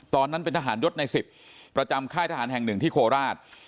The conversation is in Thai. ตอนนั้นเป็นทหารยศใน๑๐ประจำค่ายทหารแห่งหนึ่งที่โคราช